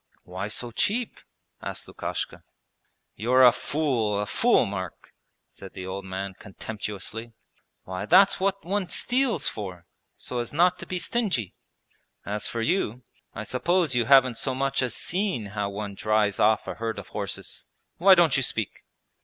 'Why so cheap?' asked Lukashka. 'You're a fool, a fool, Mark,' said the old man contemptuously. 'Why, that's what one steals for, so as not to be stingy! As for you, I suppose you haven't so much as seen how one drives off a herd of horses? Why don't you speak?'